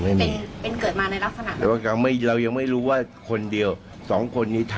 มันมีแรงจูงใจไหมที่จะต้องมาก่อนในช่วงนี้